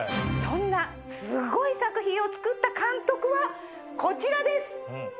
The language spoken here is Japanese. そんなすごい作品を作った監督はこちらです！